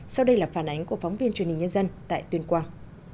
sau đây là phản ánh của phóng viên truyền hình nhân dân tại tuyên quang